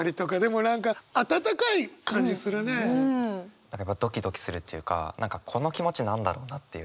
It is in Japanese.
何かやっぱドキドキするというかこの気持ち何だろうなっていう。